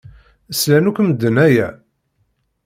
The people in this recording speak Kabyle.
Slan akk medden aya?